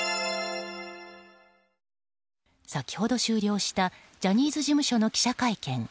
先ほど終了したジャニーズ事務所の記者会見。